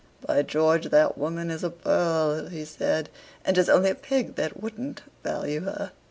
"By George, that woman is a pearl!" he said; "and 'tis only a pig that wouldn't value her.